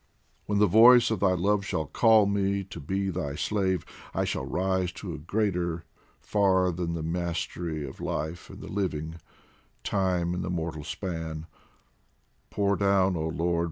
When the voice of thy love shall call me to be thy slave, I shall rise to a greater far than the mastery Of life and the living, time and the mortal span : Pour down, oh Lord